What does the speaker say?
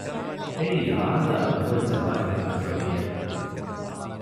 އެއީ ހާދަ އަގުބޮޑު ޖަވާހިރުގެ އަނގޮޓިއެއް